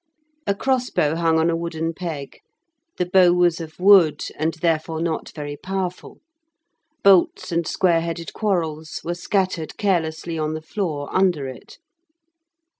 A crossbow hung on a wooden peg; the bow was of wood, and, therefore, not very powerful; bolts and square headed quarrels were scattered carelessly on the floor under it.